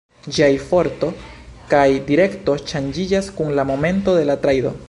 Ĝiaj forto kaj direkto ŝanĝiĝas kun la momento de la tajdo.